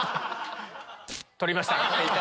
取りました。